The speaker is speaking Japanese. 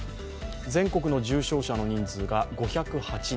全国の重症者の人数が５０８人。